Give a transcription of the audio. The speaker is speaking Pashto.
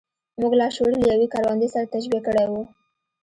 موږ لاشعور له يوې کروندې سره تشبيه کړی و.